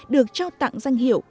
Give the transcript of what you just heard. được trao tặng danh hiệu